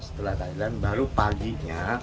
setelah tahanilan baru paginya